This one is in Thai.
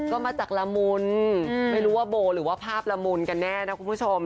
ก็มาจากละมุนไม่รู้ว่าโบหรือว่าภาพละมุนกันแน่นะคุณผู้ชม